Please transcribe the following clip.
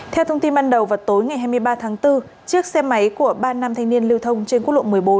theo thông tin ban đầu vào tối ngày hai mươi ba tháng bốn chiếc xe máy của ba nam thanh niên lưu thông trên quốc lộ một mươi bốn